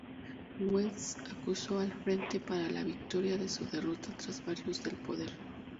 West, acuso al Frente para la Victoria de su derrota tras varios del poder.